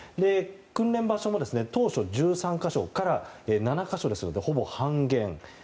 訓練場所も当初１３か所から７か所とほぼ半減。